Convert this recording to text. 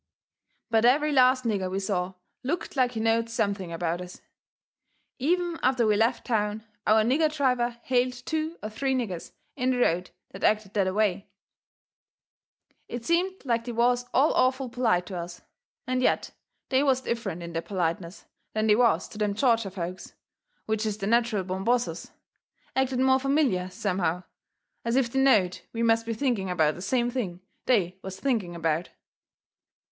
But every last nigger we saw looked like he knowed something about us. Even after we left town our nigger driver hailed two or three niggers in the road that acted that away. It seemed like they was all awful polite to us. And yet they was different in their politeness than they was to them Georgia folks, which is their natcheral born bosses acted more familiar, somehow, as if they knowed we must be thinking about the same thing they was thinking about.